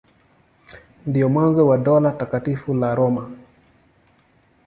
Ndio mwanzo wa Dola Takatifu la Roma.